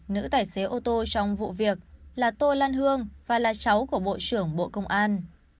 nữ tài xế ô tô trong vụ việc là tô lan hương và là cháu của bộ trưởng bộ công an